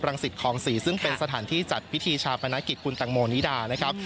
สิตคลองศรีซึ่งเป็นสถานที่จัดพิธีชาปนกิจคุณตังโมนิดานะครับ